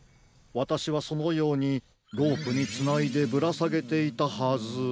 わたしはそのようにロープにつないでぶらさげていたはず。